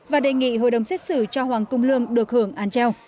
và đề nghị hội đồng xét xử cho hoàng cung lương được hưởng án treo